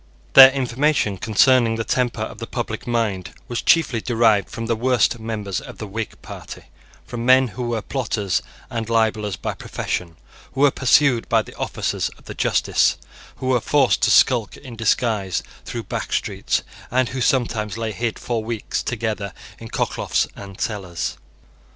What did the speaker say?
Their information concerning the temper of the public mind was chiefly derived from the worst members of the Whig party, from men who were plotters and libellers by profession, who were pursued by the officers of justice, who were forced to skulk in disguise through back streets, and who sometimes lay hid for weeks together in cocklofts and cellars.